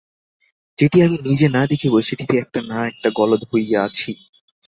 যেটি আমি নিজে না দেখিব সেটিতে একটা-না-একটা গলদ হইয়া আছেই।